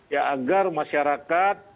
ya agar masyarakat